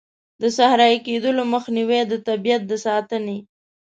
د صحرایې کیدلو مخنیوی، د طبیعیت د ساتنې.